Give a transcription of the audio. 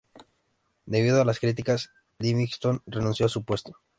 Debido a las críticas, Livingstone renunció a su puesto.